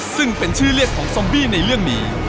ซึ่งเป็นชื่อเรียกของซอมบี้ในเรื่องนี้